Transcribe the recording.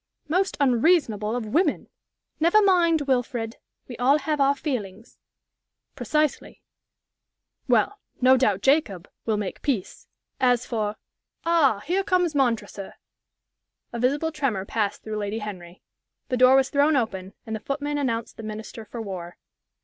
"Most unreasonable of women!" "Never mind, Wilfrid. We all have our feelings." "Precisely. Well, no doubt Jacob will make peace. As for Ah, here comes Montresor!" A visible tremor passed through Lady Henry. The door was thrown open, and the footman announced the Minister for War.